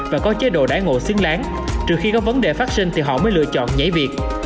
và có chế độ đãi ngộ xướng láng trừ khi có vấn đề phát sinh thì họ mới lựa chọn nhảy việc